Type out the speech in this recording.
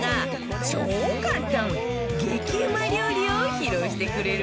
激うま料理を披露してくれるわよ